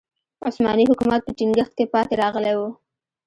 عثماني حکومت په ټینګښت کې پاتې راغلی و.